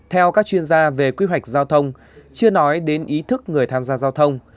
theo các chuyên gia về quy hoạch giao thông chưa nói đến ý thức người tham gia giao thông